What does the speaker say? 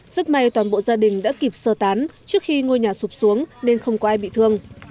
rất may toàn bộ gia đình đã kịp sơ tán trước khi ngôi nhà sụp xuống nên không có ai bị thương